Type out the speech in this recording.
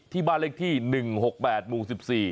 ที่บ้านเลขที่๑๖๘หมู่๑๔